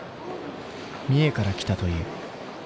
三重から来たという。